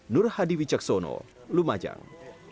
nur hadi wicaksono lumajang